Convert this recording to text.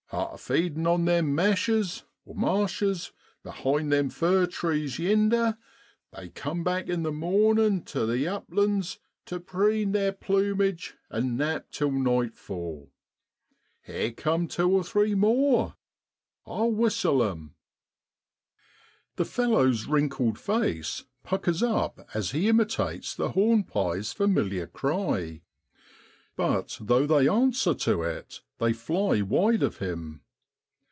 Arter feedin' on them meshes (marshes) be hind them fir trees yinder, they cum back in the mornin' tu the uplands tu preen theer plumage an' nap till nightfall. Here cum tew or three more. I'll whistle 'em.' The fellow's wrinkled face puckers up as he imitates the hornpie's familiar cry. But though they answer to it, they fly wide of him.